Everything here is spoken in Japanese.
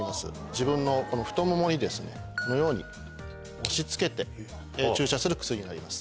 自分の太ももにこのように押し付けて注射する薬になります。